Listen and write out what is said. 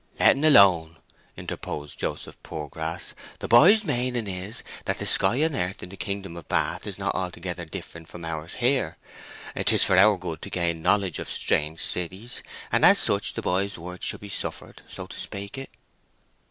"Let en alone," interposed Joseph Poorgrass. "The boy's meaning is that the sky and the earth in the kingdom of Bath is not altogether different from ours here. 'Tis for our good to gain knowledge of strange cities, and as such the boy's words should be suffered, so to speak it."